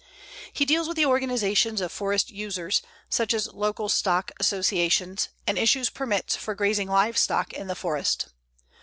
He deals with the organizations of forest users, such as local stock associations, and issues permits for grazing live stock in the forest.